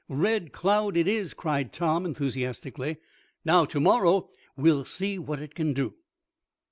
"Red Cloud it is!" cried Tom, enthusiastically. "Now, to morrow we'll see what it can do."